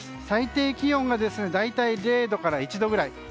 最低気温が大体０度から１度ぐらい。